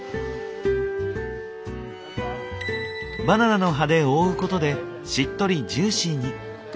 バナナの葉で覆うことでしっとりジューシーに。